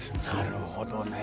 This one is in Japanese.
なるほどね。